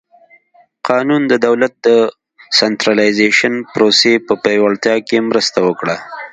قانون د دولت د سنټرالیزېشن پروسې په پیاوړتیا کې مرسته وکړه.